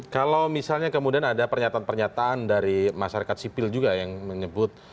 kalau misalnya kemudian ada pernyataan pernyataan dari masyarakat sipil juga yang menyebut